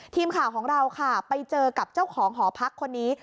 ทีมข่าวของเราค่ะไปเจอกับเจ้าของหอพักคนนี้